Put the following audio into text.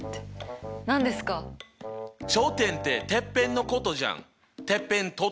頂点ってテッペンのことじゃん。